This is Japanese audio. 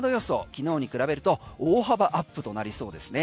昨日に比べると大幅アップとなりそうですね。